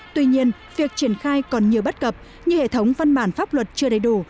tuy nhiên việc triển khai còn nhiều bất cập như hệ thống văn bản pháp luật chưa đầy đủ